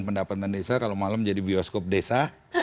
iya dengan pendapatan desa kalau malam jadi bioskop desa